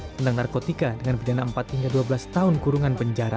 tentang narkotika dengan pidana empat hingga dua belas tahun kurungan penjara